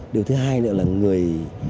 điều thứ hai nữa là người